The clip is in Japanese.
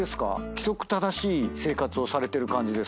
規則正しい生活をされてる感じですか？